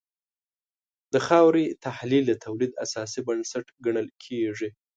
د خاورې تحلیل د تولید اساسي بنسټ ګڼل کېږي.